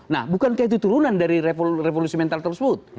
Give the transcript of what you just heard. nah bukankah itu turunan dari revolusi mental tersebut